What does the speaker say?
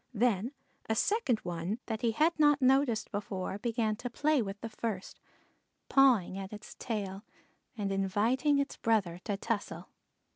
Then a second one that he had not noticed before began to play with the first, pawing at its tail and inviting its brother to tussle.